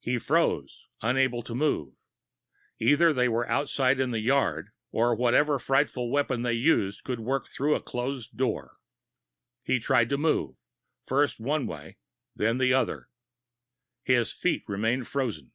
He froze, unable to move. Either they were outside in the yard, or whatever frightful weapon they used could work through a closed door. He tried to move, first one way, then the other. His feet remained frozen.